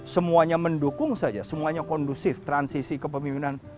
semuanya mendukung saja semuanya kondusif transisi kepemimpinan